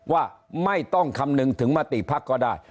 ว่าไม่ต้องคำนึงถึงมติภักดิ์ก็ได้